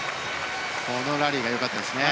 このラリーが良かったですね。